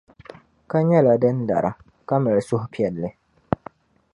Ka nyɛla din lara, ka mali suhupɛlli.